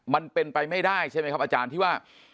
มันเป็นไปไม่ได้ใช่ไหมครับอาจารย์ที่ว่า